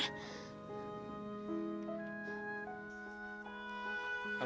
harusnya tuh kamu cerita ken